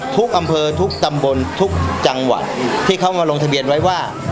ทุกอำเภอทุกตำบลทุกจังหวัดที่เขามาลงทะเบียนไว้ว่า